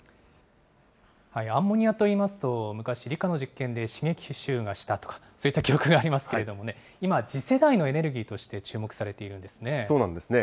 アンモニアといいますと、昔、理科の実験で刺激臭がしたとか、そういった記憶がありますけれどもね、今、次世代のエネルギーとして注目されているんですね。